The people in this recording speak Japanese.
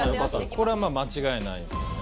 これは間違いないんですよね。